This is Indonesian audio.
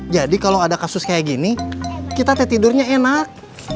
jadi kalau ada kasus kayak gini kita teh tidurnya enak